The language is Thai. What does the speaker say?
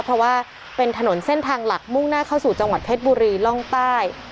เพราะว่าเป็นถนนเส้นทางหลักมุ่งหน้าเข้าสู่จังหวัดเพชรบุรีร่องใต้